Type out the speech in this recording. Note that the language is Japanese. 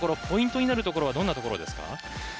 ポイントになるところはどんなところですか？